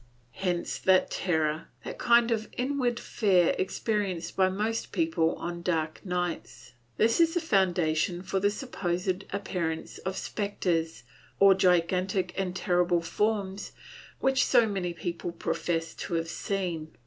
Hence that terror, that kind of inward fear experienced by most people on dark nights. This is foundation for the supposed appearances of spectres, or gigantic and terrible forms which so many people profess to have seen.